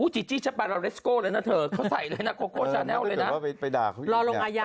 ใช่ไหม